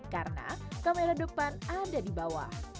karena kamera depan ada di bawah